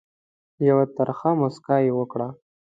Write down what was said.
یوه ترخه مُسکا یې وکړه.